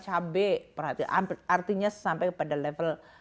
hai berarti ampun artinya sampai pada level